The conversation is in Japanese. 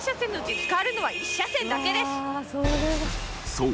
そう。